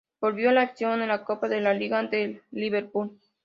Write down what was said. Volvió a la acción en la Copa de la Liga ante el Liverpool.